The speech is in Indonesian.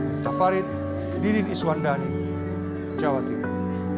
miftah farid didin iswandani jawa timur